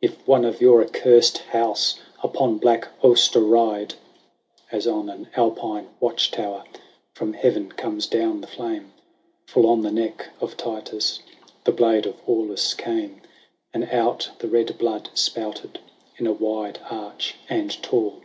If one of your accursed house Upon black Auster ride !" As on an Alpine watch tower From heaven comes down the flame. Full on the neck of Titus The blade of Aulus came : And out the red blood spouted, ' In a wide arch and tall.